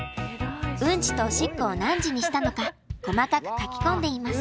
うんちとおしっこを何時にしたのか細かく書き込んでいます。